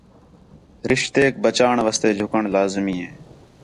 رشتیک بچاوݨ واسطے جُھکݨ لازمی ہے